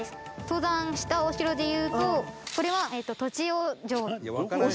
登山したお城で言うとこれは栃尾城。